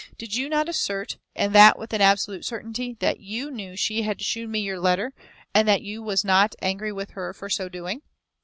Did you not assert, and that with an absolute certainty, that you knew she had shewn me your letter, and that you was not angry with her for so doing?"